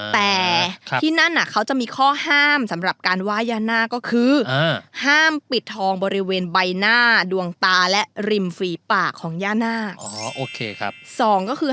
แต่ที่นั่นเขาจะมีข้อห้ามสำหรับการไหว้ยานาคก็คือ